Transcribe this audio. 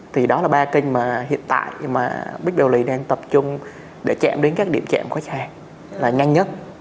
thì đó là ba kênh mà hiện tại mà big belly đang tập trung để chạm đến các điểm chạm khách hàng là nhanh nhất